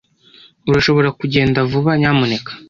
Urashobora kugenda vuba, nyamuneka?